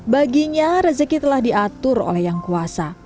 bagi dia rezeki yang dia nature nilai